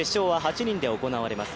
決勝は８人で行われます。